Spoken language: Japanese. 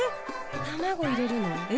卵入れるの？